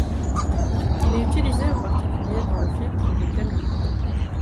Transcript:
Il est utilisé en particulier dans le filtre de Canny.